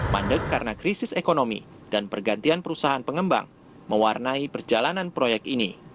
mandek karena krisis ekonomi dan pergantian perusahaan pengembang mewarnai perjalanan proyek ini